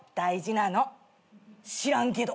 知らんけど。